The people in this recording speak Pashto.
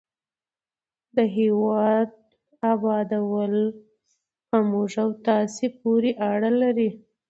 د هېواد ابادول په موږ او تاسو پورې اړه لري.